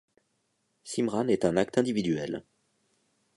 Simran est un acte individuel.